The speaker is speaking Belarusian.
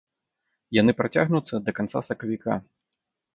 Яны працягнуцца да канца сакавіка.